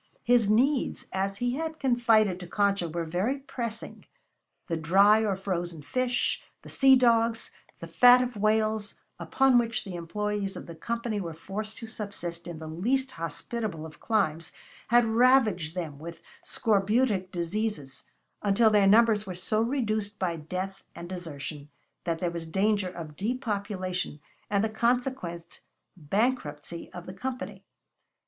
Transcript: His needs, as he had confided to Concha, were very pressing. The dry or frozen fish, the sea dogs, the fat of whales, upon which the employees of the Company were forced to subsist in the least hospitable of climes, had ravaged them with scorbutic diseases until their numbers were so reduced by death and desertion that there was danger of depopulation and the consequent bankruptcy of the Company.